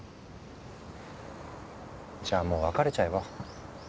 じゃあもう別れちゃえば？